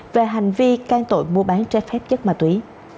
về hành vi can tội mua bán trái phép chất ma túy